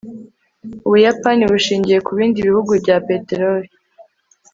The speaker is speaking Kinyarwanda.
ubuyapani bushingiye kubindi bihugu bya peteroli